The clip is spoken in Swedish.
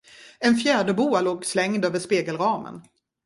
En fjäderboa låg slängd över spegelramen.